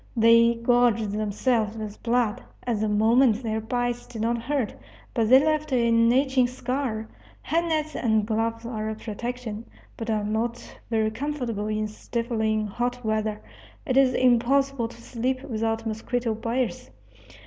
They gorged themselves with blood. At the moment their bites did not hurt, but they left an itching scar. Head nets and gloves are a protection, but are not very comfortable in stifling hot weather. It is impossible to sleep without mosquito biers.